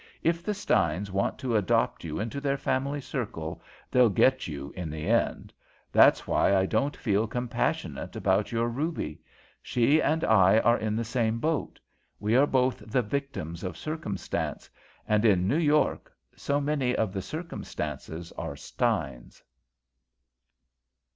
"If the Steins want to adopt you into their family circle, they'll get you in the end. That's why I don't feel compassionate about your Ruby. She and I are in the same boat. We are both the victims of circumstance, and in New York so many of the circumstances are Steins."